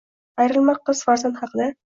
Ayrimlar qiz farzand haqida: